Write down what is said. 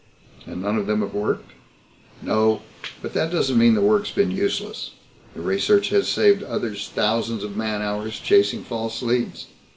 "And none of them have worked?" "No but that doesn't mean the work's been useless. The research has saved others thousands of man hours chasing false leads.